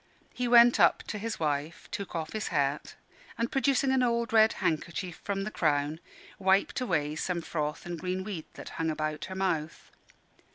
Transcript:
He went up to his wife, took off his hat, and producing an old red handkerchief from the crown, wiped away some froth and green weed that hung about her mouth.